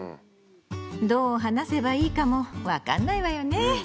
どう話せばいいかもわかんないわよね。